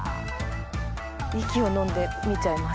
息をのんで見ちゃいます。